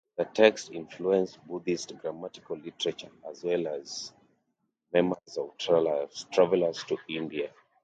The text influenced Buddhist grammatical literature, as well as memoirs of travellers to India.